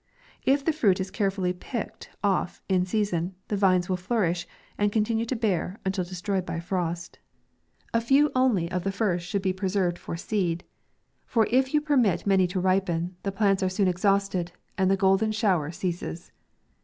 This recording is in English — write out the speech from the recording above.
If the fruit is carefully picked offin sea son, the vines will flourish, and continue to bear, until destroyed by frost. A few only of the first should be preserved for seed ; for; mav* 1 1 5 if you permit many to ripen, the plants are soon exhausted, and the golden shower ceases.